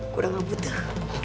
kurang lo butuh